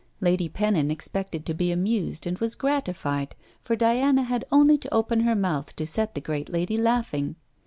Lady Pennon expected to be amused, and was gratified, for Diana had only to open her mouth to set the great lady laughing.